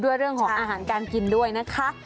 เรื่องของอาหารการกินด้วยนะคะ